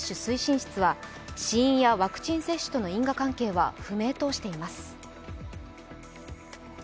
出津は死因やワクチン接種との因果関係は不明としています。